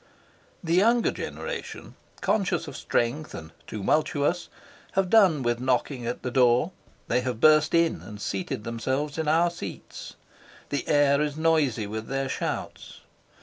The younger generation, conscious of strength and tumultuous, have done with knocking at the door; they have burst in and seated themselves in our seats. The air is noisy with their shouts.